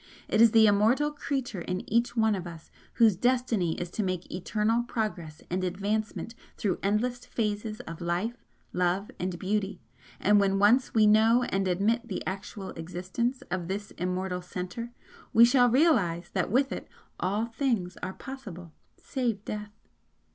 It is the Immortal Creature in each one of us whose destiny is to make eternal progress and advancement through endless phases of life, love and beauty, and when once we know and admit the actual existence of this Immortal Centre we shall realise that with it all things are possible, save Death.